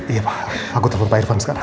iya pak aku telfon pak irfan sekarang